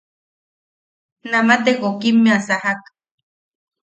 Nama te wokimmea sajak.